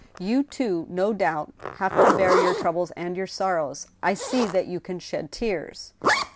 You too, no doubt, have to bear your troubles and your sorrows. I see that you can shed tears."